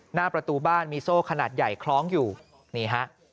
หน้าประตูบ้านมีโซ่ขนาดใหญ่คล้องอยู่นี่ฮะ